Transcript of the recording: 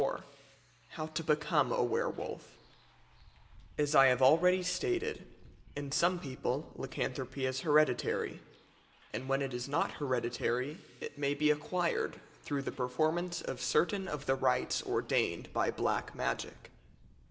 CHAPTER IV HOW TO BECOME A WERWOLF As I have already stated, in some people lycanthropy is hereditary; and when it is not hereditary it may be acquired through the performance of certain of the rites ordained by Black Magic.